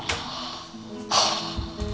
はあ。